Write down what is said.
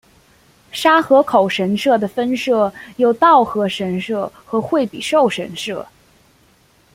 沙河口神社的分社有稻荷神社和惠比寿神社。